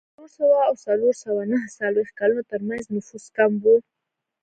د څلور سوه او څلور سوه نهه څلوېښت کلونو ترمنځ نفوس کم و.